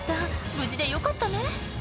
無事でよかったね